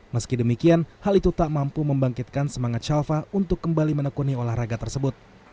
meski demikian hal itu tak mampu membangkitkan semangat shalfa untuk kembali menekuni olahraga tersebut